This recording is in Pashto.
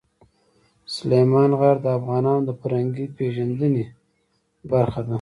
سلیمان غر د افغانانو د فرهنګي پیژندنې برخه ده.